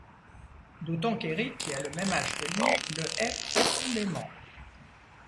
D'autant qu'Eric, qui a le même âge que lui, le hait profondément.